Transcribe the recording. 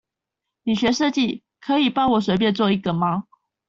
你學設計，可以幫我隨便做一個嗎？